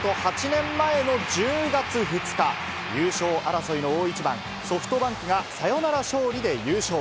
８年前の１０月２日、優勝争いの大一番、ソフトバンクがサヨナラ勝利で優勝。